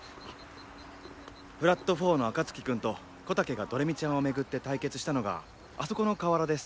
ＦＬＡＴ４の暁君と小竹がどれみちゃんをめぐって対決したのがあそこの河原です。